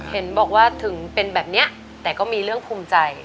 เห็นบอกว่าถึงเป็นแบบนี้แต่ก็มีเรื่องภูมิใจ